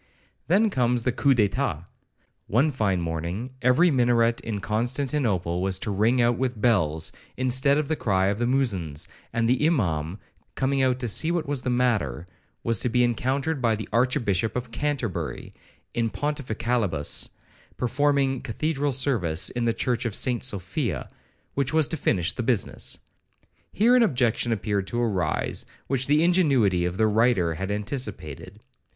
Then comes the coup d'eclat,—one fine morning, every minaret in Constantinople was to ring out with bells, instead of the cry of the Muezzins; and the Imaum, coming out to see what was the matter, was to be encountered by the Archbishop of Canterbury, in pontificalibus, performing Cathedral service in the church of St Sophia, which was to finish the business. Here an objection appeared to arise, which the ingenuity of the writer had anticipated.